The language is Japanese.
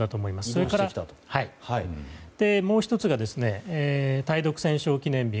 それから、もう１つが対独戦勝記念日